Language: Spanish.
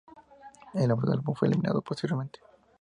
El nombre del álbum fue eliminado posteriormente.